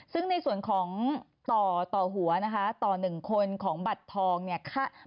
ซึ่งในส่วนของต่อต่อหัวนะคะต่อ๑คนของบัตรทองเนี่ย